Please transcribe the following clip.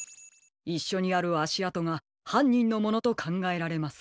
いっしょにあるあしあとがはんにんのものとかんがえられます。